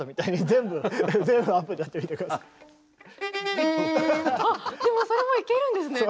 でもそれもいけるんですね。